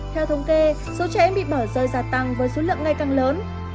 theo thống kê số trẻ em bị bỏ rơi gia tăng với số lượng ngày càng lớn